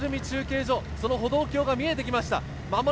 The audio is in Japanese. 中継所の歩道橋が見えてきました。